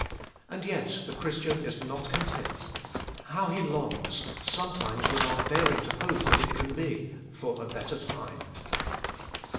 And yet the Christian is not content. How he longs — sometimes without daring to hope that it can be — for a better time.